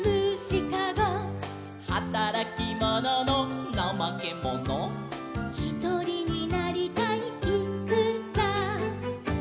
「はたらきもののなまけもの」「ひとりになりたいいくら」